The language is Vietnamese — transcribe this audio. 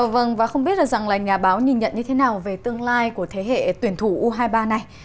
vâng và không biết được rằng là nhà báo nhìn nhận như thế nào về tương lai của thế hệ tuyển thủ u hai mươi ba này